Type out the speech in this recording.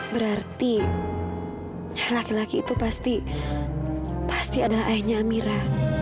berarti laki laki itu pasti pasti adalah ayahnya amira